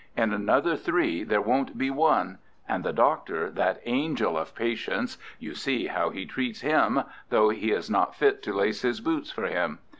In another three there won't be one. And the Doctor, that angel of patience, you see how he treats him, though he is not fit to lace his boots for him.